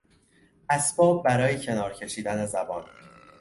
اسباب برای کنار کشیدن زبان